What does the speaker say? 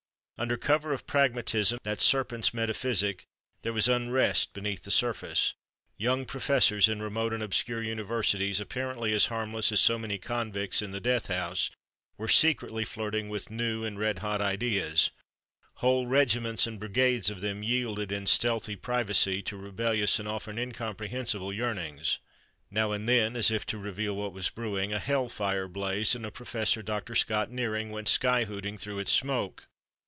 Under cover of pragmatism, that serpent's metaphysic, there was unrest beneath the surface. Young professors in remote and obscure universities, apparently as harmless as so many convicts in the death house, were secretly flirting with new and red hot ideas. Whole regiments and brigades of them yielded in stealthy privacy to rebellious and often incomprehensible yearnings. Now and then, as if to reveal what was brewing, a hell fire blazed and a Prof. Dr. Scott Nearing went sky hooting through its smoke.